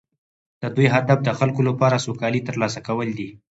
د دوی هدف د خلکو لپاره سوکالي ترلاسه کول دي